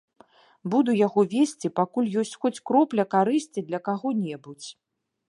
Буду яго весці, пакуль ёсць хоць кропля карысці для каго-небудзь.